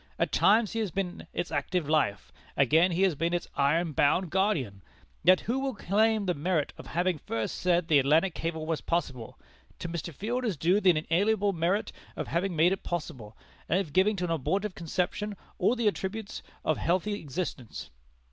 At times he has been its active life; again he has been its iron bound guardian. Let who will claim the merit of having first said the Atlantic cable was possible; to Mr. Field is due the inalienable merit of having made it possible, and of giving to an abortive conception all the attributes of healthy existence."